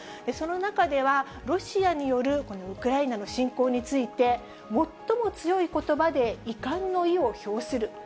その中では、ロシアによるこのウクライナの侵攻について、最も強いことばで遺憾の意を表する。